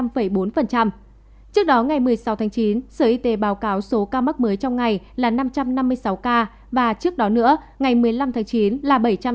trước đó ngày một mươi sáu tháng chín sở y tế báo cáo số ca mắc mới trong ngày là năm trăm năm mươi sáu ca và trước đó nữa ngày một mươi năm tháng chín là bảy trăm ba mươi